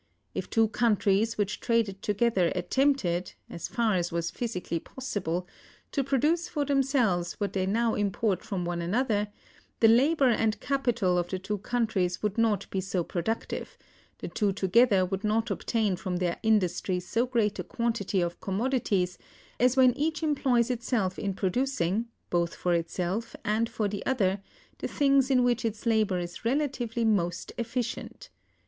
If two countries which traded together attempted, as far as was physically possible, to produce for themselves what they now import from one another, the labor and capital of the two countries would not be so productive, the two together would not obtain from their industry so great a quantity of commodities, as when each employs itself in producing, both for itself and for the other, the things in which its labor is relatively most efficient.